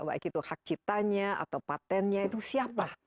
baik itu hak ciptanya atau patentnya itu siapa